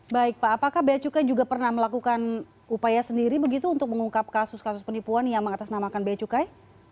baik pak apakah beacukai juga pernah melakukan upaya sendiri begitu untuk mengungkap kasus kasus penipuan yang mengatasnamakan beacukai